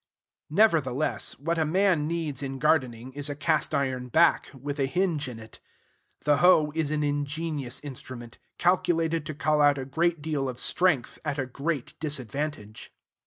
Nevertheless, what a man needs in gardening is a cast iron back, with a hinge in it. The hoe is an ingenious instrument, calculated to call out a great deal of strength at a great disadvantage.